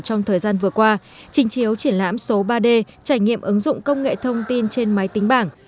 trong thời gian vừa qua trình chiếu triển lãm số ba d trải nghiệm ứng dụng công nghệ thông tin trên máy tính bảng